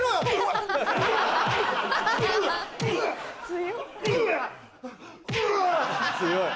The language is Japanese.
強い。